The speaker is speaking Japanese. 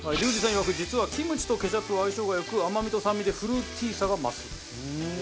いわく実はキムチとケチャップは相性が良く甘みと酸味でフルーティーさが増す。